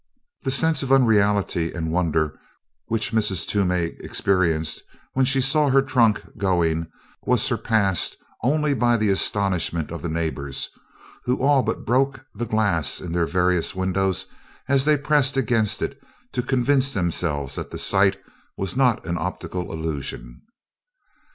The sense of unreality and wonder which Mrs. Toomey experienced when she saw her trunk going was surpassed only by the astonishment of the neighbors, who all but broke the glass in their various windows as they pressed against it to convince themselves that the sight was not an optical illusion.